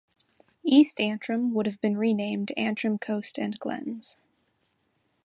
East Antrim would have been renamed 'Antrim Coast and Glens'.